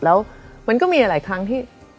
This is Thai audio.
แล้วมันก็มีหลายครั้งที่